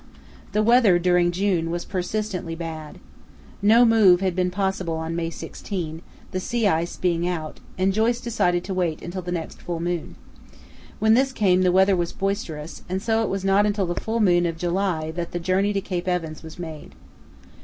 The weather during June was persistently bad. No move had been possible on May 16, the sea ice being out, and Joyce decided to wait until the next full moon. When this came the weather was boisterous, and so it was not until the full moon of July that the journey to Cape Evans was made.